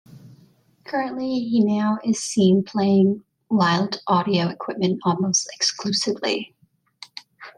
Currently he now is seen playing Wylde Audio equipment almost exclusively.